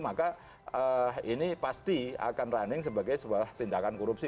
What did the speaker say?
maka ini pasti akan running sebagai sebuah tindakan korupsi